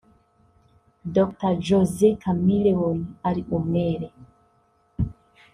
Dr Jose Chameleone ari umwere